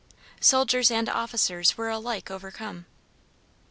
Soldiers and officers were alike overcome.